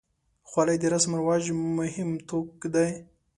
خولۍ د رسم و رواج مهم توک دی.